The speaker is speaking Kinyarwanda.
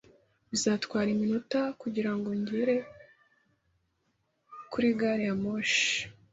Bizantwara iminota kugirango ngere kuri gari ya moshi